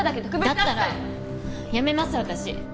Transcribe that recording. だったらやめます私。